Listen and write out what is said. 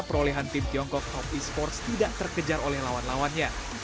perolehan tim tiongkok top esports tidak terkejar oleh lawan lawannya